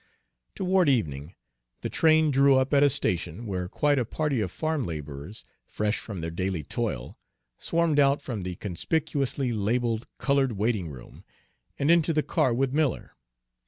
Toward evening the train drew up at a station where quite a party of farm laborers, fresh from their daily toil, swarmed out from the conspicuously labeled colored waiting room, and into the car with Miller.